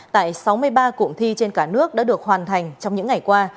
tại sáu mươi ba cụm thi trên cả nước đã được hoàn thành trong những ngày qua